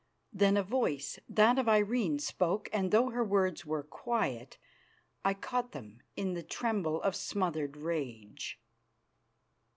Then a voice, that of Irene, spoke, and though her words were quiet I caught in them the tremble of smothered rage.